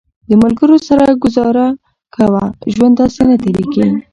د ملګرو سره ګزاره کوه، ژوند داسې نه تېرېږي